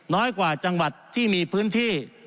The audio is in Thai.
น้อยกว่าจังหวัดที่มีพื้นที่